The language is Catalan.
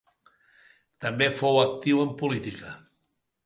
També fou actiu en política.